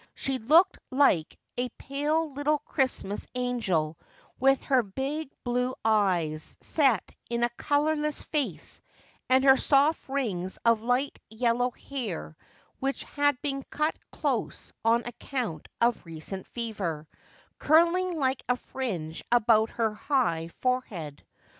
She looked like a pale little Christmas angel with her big blue eyes set in a colorless face and her soft rings of light yellow hair, which had been cut close on account of recent fever, curling like a fringe about her high forehead.